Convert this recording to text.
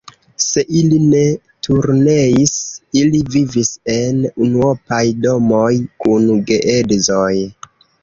Se ili ne turneis, ili vivis en unuopaj domoj kun geedzoj.